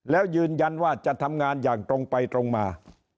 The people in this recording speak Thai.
แล้วยืนยันว่าจะทำงานอย่างตรงไปตรงมา